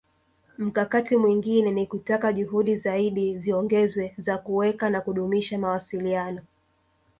Mkakati mwingine ni kutaka juhudi zaidi ziongezwe za kuweka na kudumisha mawasiliano